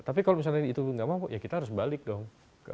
tapi kalau misalnya itu nggak mampu ya kita harus balik dong